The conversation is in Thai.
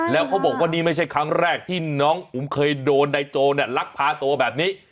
แล้วเขาบอกว่านี่ไม่ใช่ครั้งแรกที่น้องอุ๋มเคยโดนนายโจเนี่ยลักพาตัวแบบนี้